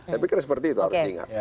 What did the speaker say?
saya pikir seperti itu harus diingat